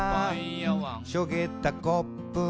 「しょげたコップに」